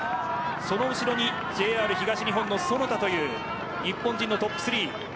その後ろに、ＪＲ東日本の其田という、日本人のトップ３。